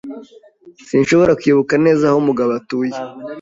Sinshobora kwibuka neza aho Mugabo atuye.